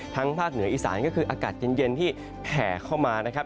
ภาคเหนืออีสานก็คืออากาศเย็นที่แผ่เข้ามานะครับ